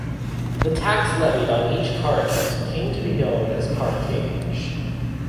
The tax levied on each carucate came to be known as "carucage".